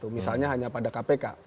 misalnya hanya pada kpk